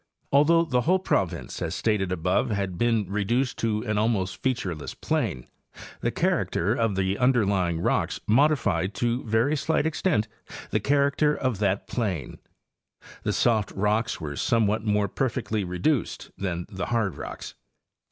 Although the whole province, as stated above, had been re duced to an almost featureless plain, the character of the under lying rocks modified to a very slight extent the character of that plain. The soft rocks were somewhat more perfectly reduced than the hard rocks.